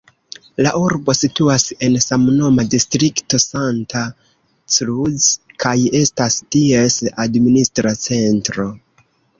La urbo situas en samnoma distrikto Santa Cruz kaj estas ties administra centro.